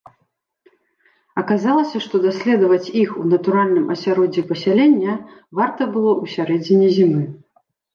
Аказалася, што даследаваць іх у натуральным асяроддзі пасялення варта было ў сярэдзіне зімы.